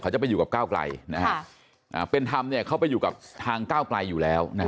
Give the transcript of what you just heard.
เขาจะไปอยู่กับก้าวกลายนะฮะค่ะอ่าเป็นธรรมเนี่ยเข้าไปอยู่กับทางก้าวกลายอยู่แล้วนะฮะ